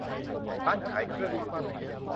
ร้านขายเครื่องดื่ม